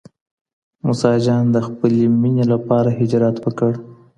موسی جان د خپلي مینې لپاره هجرت وکړ.